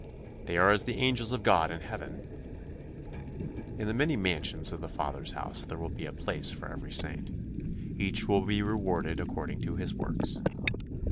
"They are as the angels of God in heaven." In the many mansions of the Father's house there will be a place for every saint. Each will be rewarded according to his works.